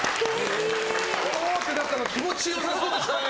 おお！ってなったの気持ち良さそうでしょ。